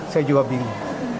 saya juga bingung